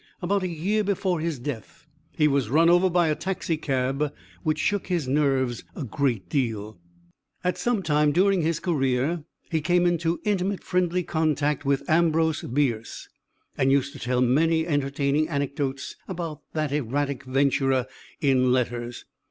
About a year before his death he was run over by a taxicab, which shook his nerves a great deal. At some time during his career he came into intimate friendly contact with Ambrose Bierce, and used to tell many entertaining anecdotes about that erratic venturer in letters.